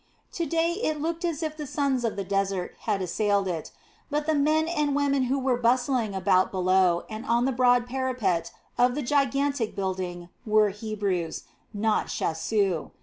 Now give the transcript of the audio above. To day it looked as if the sons of the desert had assailed it; but the men and women who were bustling about below and on the broad parapet of the gigantic building were Hebrews, not Shasu.